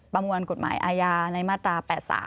ประมวลกฎหมายอาญาในมาตรา๘๓